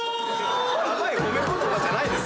「ヤバい」褒め言葉じゃないですからね。